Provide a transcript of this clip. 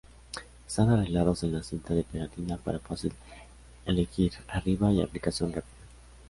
Están arreglados en la cinta de pegatina para fácil elegir-arriba y aplicación rápida.